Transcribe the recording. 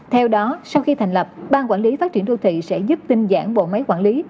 theo đó sau khi thành lập ban quản lý phát triển đô thị sẽ giúp tinh giản bộ máy quản lý